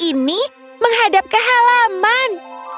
ini menghadap ke halaman